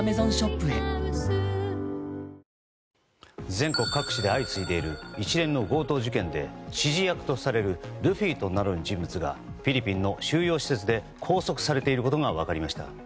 全国各地で相次いでいる一連の強盗事件で指示役とされるルフィと名乗る人物がフィリピンの収容施設で拘束されていることが分かりました。